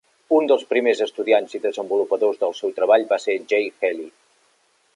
Un dels primers estudiants i desenvolupadors del seu treball va ser Jay Haley.